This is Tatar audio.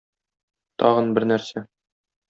Тагын бер нәрсә.